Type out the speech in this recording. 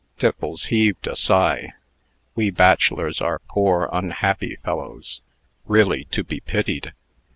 Tiffles heaved a sigh. "We bachelors are poor, unhappy fellows, really to be pitied."